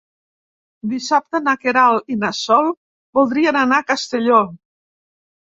Dissabte na Queralt i na Sol voldrien anar a Castelló.